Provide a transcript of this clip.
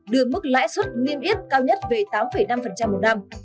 đưa mức lãi suất niêm yết cao nhất về tám năm một năm